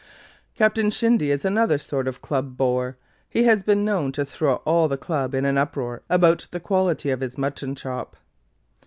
Captain Shindy is another sort of Club bore. He has been known to throw all the Club in an uproar about the quality of his mutton chop.